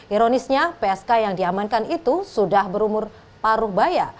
ironisnya psk yang diamankan itu sudah berumur paruh baya